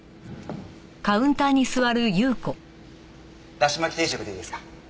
だし巻き定食でいいですか？